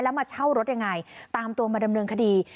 แล้วมาเช่ารถยังไงตามตัวมาดำเนินคดี